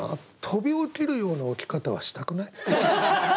飛び起きるような起き方はしたくない。